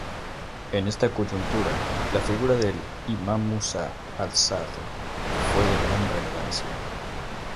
En esta coyuntura, la figura del imam Musa Al-Sadr fue de gran relevancia.